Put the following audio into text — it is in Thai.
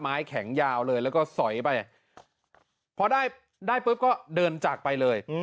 ไม้แข็งยาวเลยแล้วก็สอยไปพอได้ได้ปุ๊บก็เดินจากไปเลย